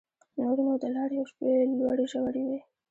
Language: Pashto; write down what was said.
نور نو د لارې او شپې لوړې ژورې وې.